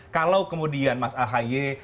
kalau kemudian mas ahaye